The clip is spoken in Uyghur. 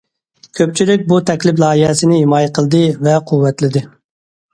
كۆپچىلىك بۇ تەكلىپ لايىھەسىنى ھىمايە قىلدى ۋە قۇۋۋەتلىدى.